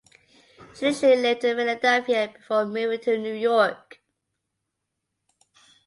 She initially lived in Philadelphia before moving to New York.